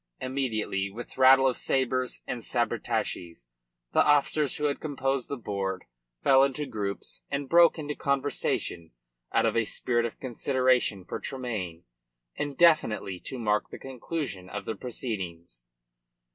Immediately, with rattle of sabres and sabretaches, the officers who had composed the board fell into groups and broke into conversation out of a spirit of consideration for Tremayne, and definitely to mark the conclusion of the proceedings.